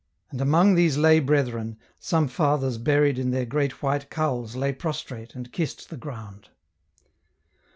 And among these lay brethren, some fathers ouried in their great white cowls lay prostrate and kissed the ground.